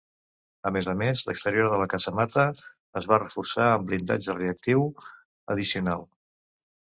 A més a més, l'exterior de la casamata es va reforçar amb blindatge reactiu addicional.